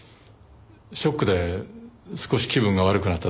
ショックで少し気分が悪くなっただけですから。